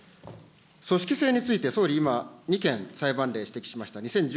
組織性について、総理、今、２件裁判例、指摘しました。